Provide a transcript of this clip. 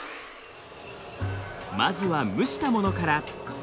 まずは蒸したものから。